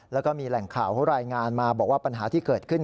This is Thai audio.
แล้วก็มีแหล่งข่าวเขารายงานมาบอกว่าปัญหาที่เกิดขึ้น